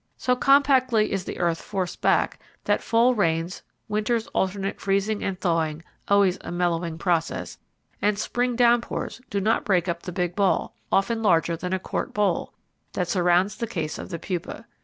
So compactly is the earth forced back, that fall rains, winter's alternate freezing and thawing, always a mellowing process, and spring downpours do not break up the big ball, often larger than a quart bowl, that surrounds the case of the pupa.